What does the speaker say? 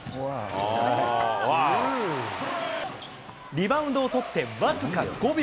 リバウンドをとって僅か５秒。